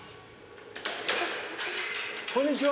こんにちは。